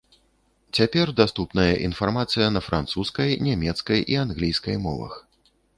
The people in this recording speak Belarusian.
Цяпер даступная інфармацыя на французскай, нямецкай і англійскай мовах.